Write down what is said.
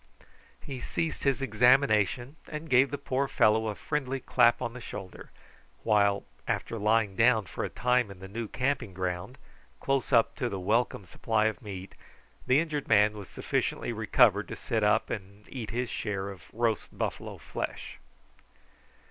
He ceased his examination and gave the poor fellow a friendly clap on the shoulder, while, after lying down for a time in the new camping ground, close up to the welcome supply of meat, the injured man was sufficiently recovered to sit up, and eat his share of roast buffalo flesh.